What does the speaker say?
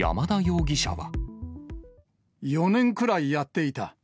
４年くらいやっていた。